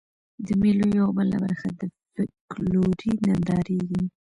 د مېلو یوه بله برخه د فکلوري نندارې يي.